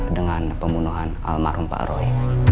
dengan pembunuhan almarhum pak roy